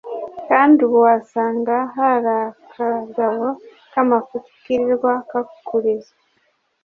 Kandi ubu wasanga harakagabo kamafuti kirirwa kakuriza